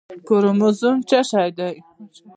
کروموزوم څه شی دی